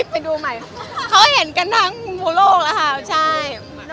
ไปดูใหม่เขาเห็นกันทั้งหมู่โลกนะคะใช่